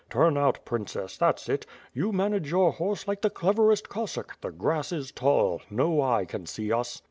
Turn out, princess; that's it; you manage your horse like the cleverest Cossack; the grass is tall; no eye can see us."